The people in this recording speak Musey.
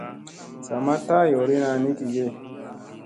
Sa ma taa yoorina ni gige.